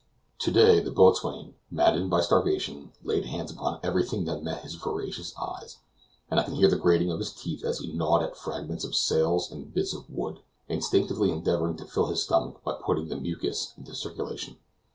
To day the boatswain, maddened by starvation, laid hands upon everything that met his voracious eyes, and I could hear the grating of his teeth as he gnawed at fragments of sails and bits of wood, instinctively endeavoring to fill his stomach by putting the mucus into circulation.